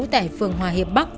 tại phường hòa hiệp bắc